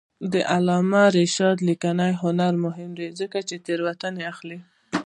د علامه رشاد لیکنی هنر مهم دی ځکه چې تېروتنې رااخلي.